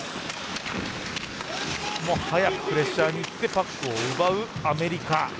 早くプレッシャーにいってパックを奪う、アメリカ。